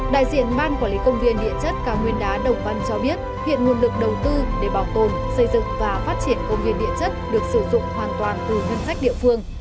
đại diện ban quản lý công viên địa chất cao nguyên đá đồng văn cho biết hiện nguồn lực đầu tư để bảo tồn xây dựng và phát triển công viên địa chất được sử dụng hoàn toàn từ ngân sách địa phương